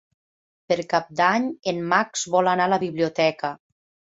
Per Cap d'Any en Max vol anar a la biblioteca.